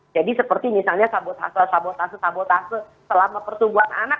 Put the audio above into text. jadi seperti misalnya sabotase sabotase sabotase selama pertumbuhan anak